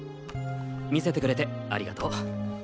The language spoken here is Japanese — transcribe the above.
見せてくれてありがとう。